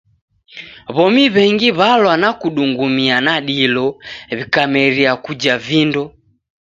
W'omi w'engi w'alwa na kudungumia na dilo w'ikameria kuja vindo.